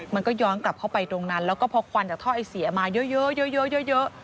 มันก็ย้อนกลับเข้าไปตรงนั้นแล้วก็พอควันจากท่อไอเสียมาเยอะเยอะ